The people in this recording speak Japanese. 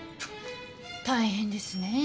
大変ですねぇ。